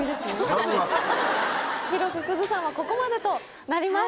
広瀬すずさんはここまでとなります。